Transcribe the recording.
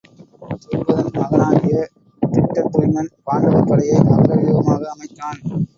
துருபதன் மகனாகிய திட்டத்துய்மன் பாண்டவர் படையை மகர வியூகமாக அமைத்தான்.